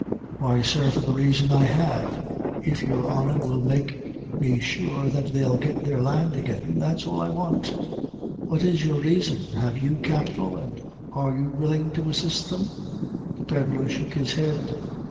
"Why, sir, for a raison I have. If your honor will make me sure that they'll get their land again, that's all I want."' "What is your reason? Have you capital, and are you willing to assist them?" The pedlar shook his head.